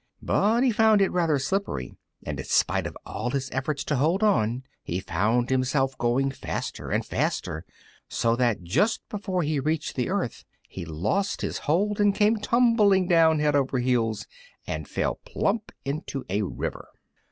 But he found it rather slippery, and in spite of all his efforts to hold on he found himself going faster and faster, so that just before he reached the earth he lost his hold and came tumbling down head over heels and fell plump into a river.